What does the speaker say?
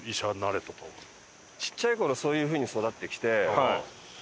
ちっちゃい頃そういう風に育ってきて。